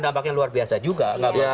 dampaknya luar biasa juga